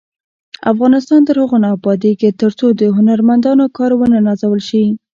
افغانستان تر هغو نه ابادیږي، ترڅو د هنرمندانو کار ونه نازول شي.